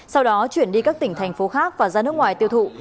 sau đó chuyển đi các tỉnh thành phố khác và ra nước ngoài tiêu thụ